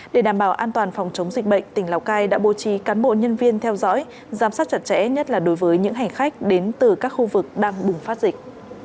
để đảm bảo an toàn phòng chống dịch bệnh tỉnh lào cai đã bố trì cán bộ nhân viên theo dõi giám sát chặt chẽ nhất là đối với những hành khách đến từ các khu vực đang bùng phát dịch